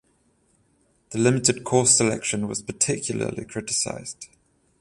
The limited course selection was particularly criticized.